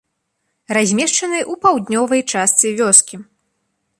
Размешчаны ў паўднёвай частцы вёскі.